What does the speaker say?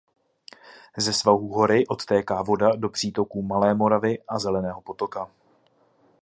Ze svahů hory odtéká voda do přítoků Malé Moravy a Zeleného potoka.